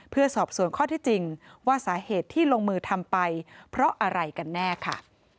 เพื่อสอบส่วนข้อที่จริงว่าสาเหตุที่ลงมือทำไปเพราะอะไรกันแน่ค่ะ